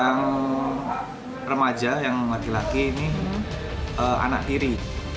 yang remaja yang laki laki ini anak tiri